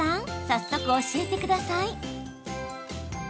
早速教えてください。